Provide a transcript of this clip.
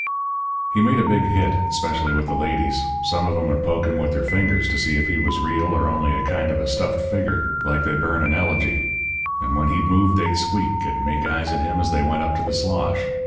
"He made a big hit, 'specially with the ladies. Some of 'em would poke him with their fingers to see if he was real or only a kind of a stuffed figure like they burn in elegy. And when he'd move they'd squeak, and make eyes at him as they went up to the slosh.